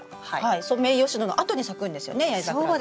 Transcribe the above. ソメイヨシノのあとに咲くんですよね八重桜って。